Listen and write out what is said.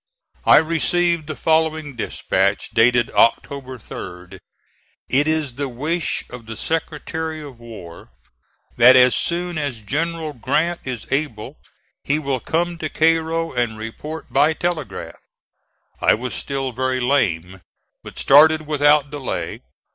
I received the following dispatch dated October 3d: "It is the wish of the Secretary of War that as soon as General Grant is able he will come to Cairo and report by telegraph." I was still very lame, but started without delay.